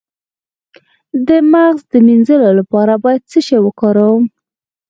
د مغز د مینځلو لپاره باید څه شی وکاروم؟